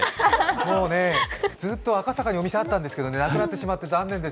もうね、ずっと赤坂にお店があったんですけど、なくなって残念です。